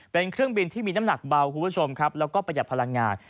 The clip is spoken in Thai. เป็นเครื่องบินที่มีน้ำหนักเบาและประหยัดพลังงาน